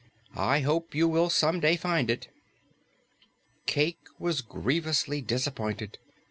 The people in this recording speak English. I hope you will some day find it." Cayke was grievously disappointed.